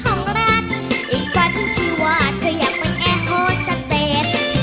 ของรักอีกฝันที่ว่าเธออยากเป็นแอร์โฮสเตจ